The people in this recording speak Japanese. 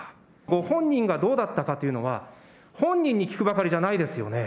ご本人がどうだったかというのは、本人に聞くばかりじゃないですよね。